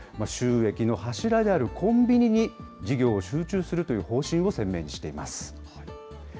収益の柱であるコンビニに事業を集中するという方針を鮮明にしています。